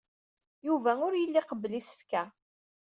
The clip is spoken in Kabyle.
Yuba ur yelli iqebbel isefka.